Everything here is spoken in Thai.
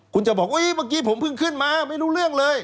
คุณจะบอกว่าเมื่อกี้ผมเพิ่งขึ้นมาไม่รู้เรื่องเลย